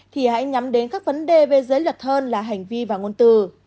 thì hãy nhắm đến các vấn đề về giới luật hơn là hành vi và ngôn từ